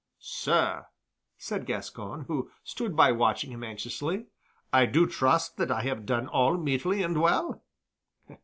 "Sir," said Gascoyne, who stood by watching him anxiously, "I do trust that I have done all meetly and well."